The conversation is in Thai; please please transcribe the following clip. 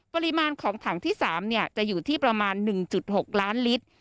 ปริมาณของถังที่สามเนี่ยจะอยู่ที่ประมาณหนึ่งจุดหกล้านลิตร